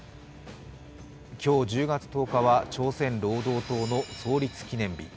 今日１０月１０日は朝鮮労働党の創立記念日。